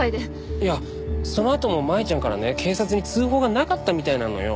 いやそのあとも舞ちゃんからね警察に通報がなかったみたいなのよ。